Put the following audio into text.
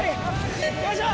よいしょ！